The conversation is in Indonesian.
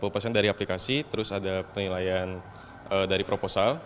dua puluh persen dari aplikasi terus ada penilaian dari proposal